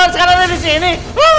sekarang ada di sini